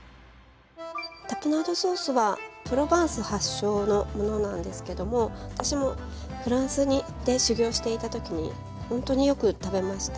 タプナードソースはプロヴァンス発祥のものなんですけども私もフランスで修業していたときに本当によく食べました。